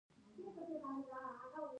هغه پدیده چې خلک یې د معجزې په نامه یادوي